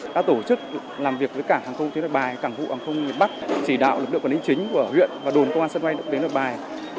ta tổ chức làm việc với cảng hàng không trên nội bài cảng hụ hàng không bắc chỉ đạo lực lượng quản lý chính của huyện và đồn công an sân bay đến nội bài